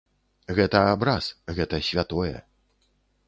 Гэта абраз, гэта святое.